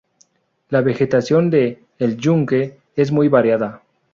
La vegetación de El Yunque es muy variada.